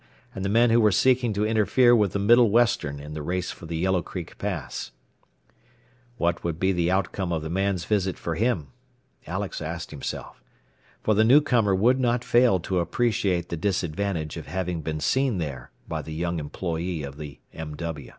and the men who were seeking to interfere with the Middle Western in the race for the Yellow Creek Pass. What would be the outcome of the man's visit for him? Alex asked himself. For the newcomer would not fail to appreciate the disadvantage of having been seen there by the young employee of the M.